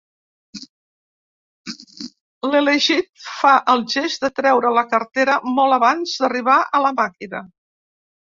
L'elegit fa el gest de treure la cartera molt abans d'arribar a la màquina.